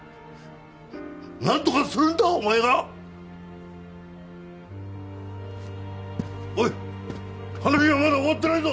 何とかするんだお前がおい話はまだ終わってないぞ